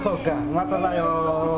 まただよ。